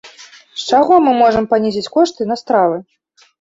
З чаго мы можам панізіць кошты на стравы?